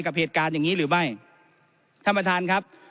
กับเหตุการณ์อย่างงี้หรือไม่ท่านประธานครับ